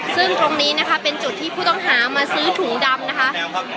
ซึ่งตรงนี้นะคะเป็นจุดที่ผู้ต้องหามาซื้อถุงดำนะคะ